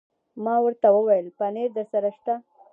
ما ورته وویل: پنیر درسره شته؟